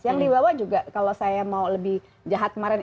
yang dibawa juga kalau saya mau lebih jahat kemarin